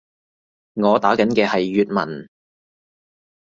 我打緊嘅係粵文